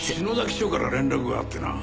署から連絡があってな。